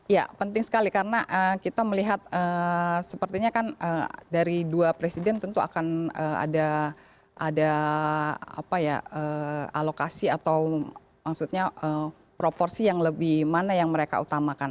ya penting sekali karena kita melihat sepertinya kan dari dua presiden tentu akan ada alokasi atau maksudnya proporsi yang lebih mana yang mereka utamakan